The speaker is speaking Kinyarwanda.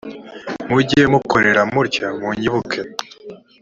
mujye mukorera mutya munyibuka